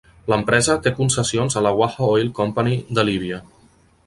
L'empresa té concessions a la Waha Oil Company de Líbia.